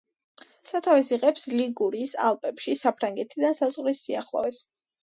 სათავეს იღებს ლიგურიის ალპებში, საფრანგეთთან საზღვრის სიახლოვეს.